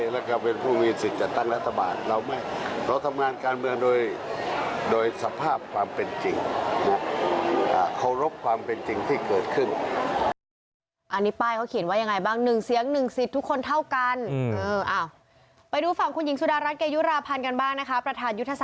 และก็เป็นผู้มีสิทธิ์จัดตั้งรัฐบาล